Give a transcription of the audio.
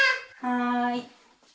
はい。